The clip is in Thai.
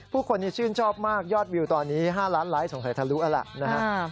ผู้คนที่ชื่นชอบมากยอดวิวตอนนี้๕ล้านไลค์สงสัยทะลุแล้วล่ะนะครับ